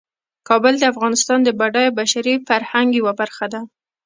کابل د افغانستان د بډایه بشري فرهنګ یوه برخه ده.